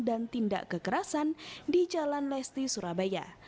dan tindak kekerasan di jalan lesti surabaya